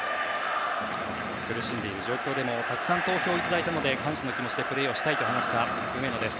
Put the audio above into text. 苦しんでいる状況でもたくさん投票いただいたので感謝の気持ちでプレーをしたいと話した梅野です。